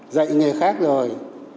dạy người khác rồi